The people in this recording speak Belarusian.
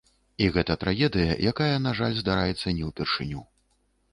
І гэта трагедыя, якая, на жаль, здараецца не ўпершыню.